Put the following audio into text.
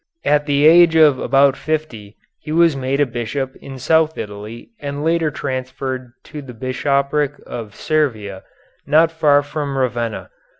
At the age of about fifty he was made a bishop in South Italy and later transferred to the Bishopric of Cervia, not far from Ravenna.